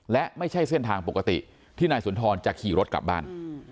และไม่ใช่เส้นทางปกติที่นายสุนทรจะขี่รถกลับบ้าน